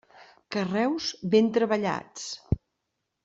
Carreus ben treballats.